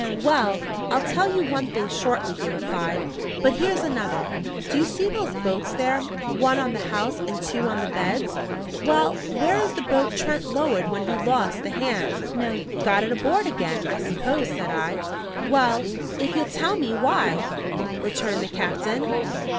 "Well, I'll tell you one thing shortly," he replied. "But here's another. Do you see those boats there, one on the house and two on the beds? Well, where is the boat Trent lowered when he lost the hands?" "Got it aboard again, I suppose," said I. "Well, if you'll tell me why!" returned the captain.